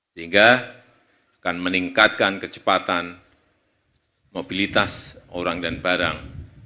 sehingga akan meningkatkan kecepatan mobilitas orang dan barang